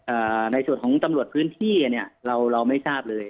ในส่วนของตำรวจพื้นที่เนี้ยเราเราไม่ทราบเลย